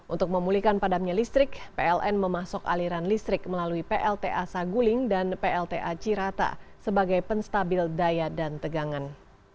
untuk memulihkan padamnya listrik pln memasok aliran listrik melalui plta saguling dan plta cirata sebagai penstabil daya dan tegangan